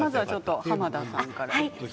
濱田さんから。